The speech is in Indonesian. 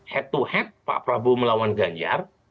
head to head pak prabowo melawan ganjar